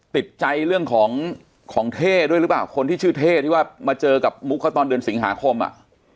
ติดใจเรื่องของของเท่ด้วยหรือเปล่าคนที่ชื่อเท่ที่ว่ามาเจอกับมุกเขาตอนเดือนสิงหาคมอ่ะ